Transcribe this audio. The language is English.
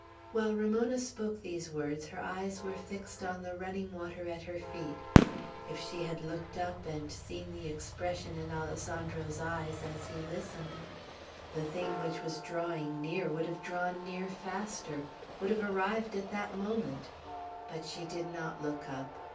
While Ramona spoke these words, her eyes were fixed on the running water at her feet. If she had looked up, and seen the expression in Alessandro's eyes as he listened, the thing which was drawing near would have drawn near faster, would have arrived at that moment; but she did not look up.